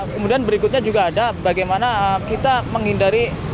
kemudian berikutnya juga ada bagaimana kita menghindari